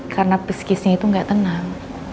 karena peskisnya itu gak tenang